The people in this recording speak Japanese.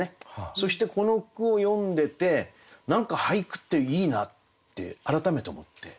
そしてこの句を読んでて何か俳句っていいなって改めて思って。